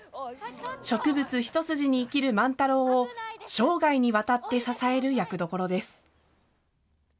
植物一筋に生きる万太郎を生涯にわたって支える役どころです。